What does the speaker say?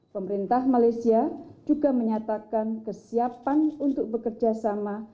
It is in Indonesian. pemerintah malaysia juga menyatakan kesiapan untuk bekerjasama